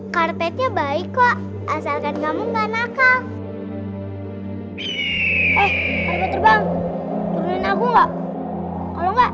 karpetnya baik kok asalkan kamu enggak nakal